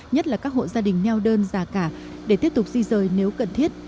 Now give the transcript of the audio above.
nhất là các hộ gia đình neo đơn già cả để tiếp tục di rời nếu cần thiết